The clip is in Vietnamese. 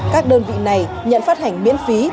các đơn vị này nhận phát hành miễn phí